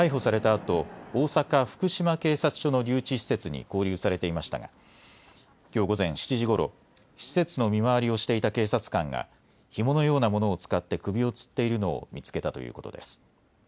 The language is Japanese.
あと大阪、福島警察署の留置施設に勾留されていましたがきょう午前７時ごろ施設の見回りをしていた警察官がひものようなものを使って首をつっているのを見つけたということです。